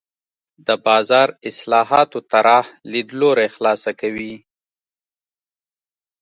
د بازار اصلاحاتو طراح لیدلوری خلاصه کوي.